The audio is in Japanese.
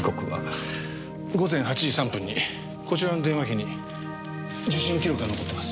午前８時３分にこちらの電話機に受信記録が残ってます。